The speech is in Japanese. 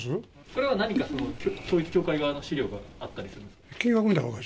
それは何か、その統一教会側の資料があったりするんですか？